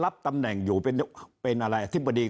คราวนี้เจ้าหน้าที่ป่าไม้รับรองแนวเนี่ยจะต้องเป็นหนังสือจากอธิบดี